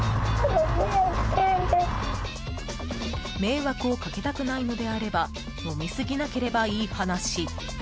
迷惑をかけたくないのであれば飲み過ぎなければいい話。